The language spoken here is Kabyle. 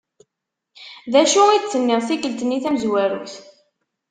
Dacu i d-tenniḍ tikkelt-nni tamezwarut?